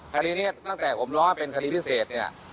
คดีนี้ตั้งแต่ผมร้องให้เป็นคดีพิเศษเนี่ย